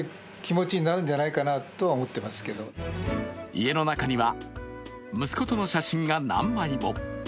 家の中には、息子との写真が何枚も。